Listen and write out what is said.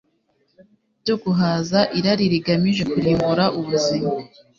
byo guhaza irari rigamije kurimbura ubuzima,